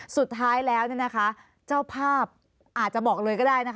สุดท้ายแล้วเจ้าภาพอาจจะบอกเลยก็ได้นะคะ